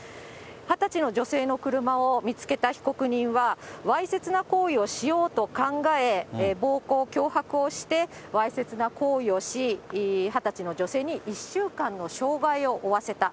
２０歳の女性の車を見つけた被告人は、わいせつな行為をしようと考え、暴行、脅迫をしてわいせつな行為をし、２０歳の女性に１週間の傷害を負わせた。